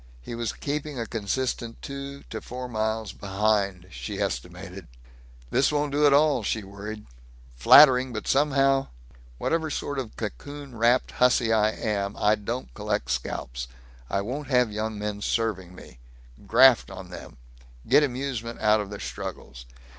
He was keeping a consistent two to four miles behind, she estimated. "This won't do at all," she worried. "Flattering, but somehow Whatever sort of a cocoon wrapped hussy I am, I don't collect scalps. I won't have young men serving me graft on them get amusement out of their struggles.